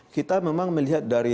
kita memang melihat dari